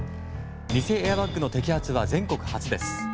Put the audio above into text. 偽エアバッグの摘発は全国初です。